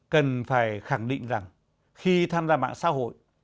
cần phải khẳng định rằng khi tham gia mạng xã hội